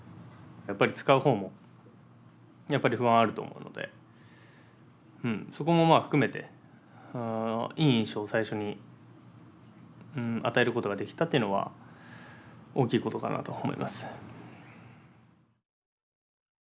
やっぱり使う方もやっぱり不安はあると思うのでそこも含めていい印象を最初に与えることができたというのは大きいことかなと思います。